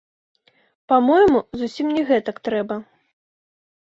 Па-мойму зусім не гэтак трэба.